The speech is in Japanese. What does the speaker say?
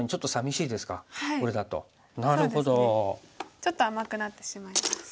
ちょっと甘くなってしまいます。